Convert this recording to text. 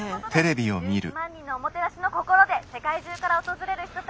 「１１万人のおもてなしの心で世界中から訪れる人たちに」。